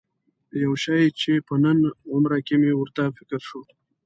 یو شی چې په نن عمره کې مې ورته فکر شو.